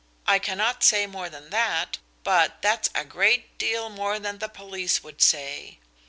I cannot say more than that, but that's a great deal more than the police would say.